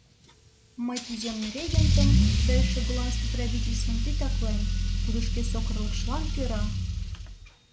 Мый туземный регентым да эше голландский правительствым титаклем, кудо шке сокырлыкшылан кӧра...